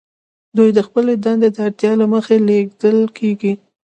دوی د خپلې دندې د اړتیا له مخې لیږل کیږي